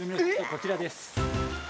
こちらです